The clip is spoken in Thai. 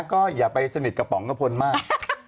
ก็อย่าไปสนีทกับปองกฤบควรมาก